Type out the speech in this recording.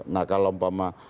nah kalau empama